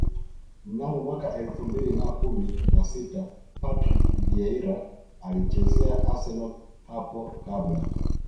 Mnamo mwaka elfu mbili na kumi na sita Patrick Vieira aliyeichezea Arsenal hapo kabla